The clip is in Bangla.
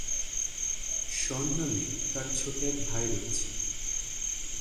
শন নামে তার এক ছোট ভাই রয়েছে।